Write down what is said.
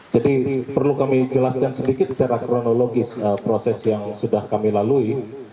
jadi perlu kami jelaskan sedikit secara kronologis proses yang sudah kami lalui